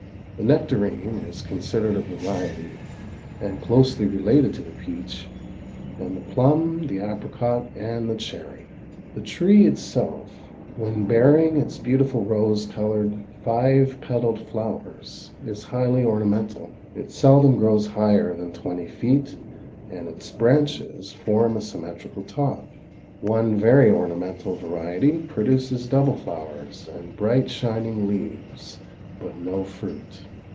The nectarine is considered a variety and closely related to the peach and the plum, the apricot, and the cherry. The tree itself, when bearing its beautiful rose colored, five petaled flowers, is highly ornamental. It seldom grows higher than twenty feet and its branches form a symmetrical top. One very ornamental variety produces double flowers and bright, shining leaves, but no fruit.